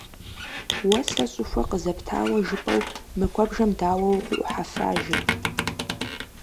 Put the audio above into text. - Уэ сэ щӀыхуэ къызэптауэ жыпӀэу, мы куэбжэм дауэ укъыӀухьэфа, – жи.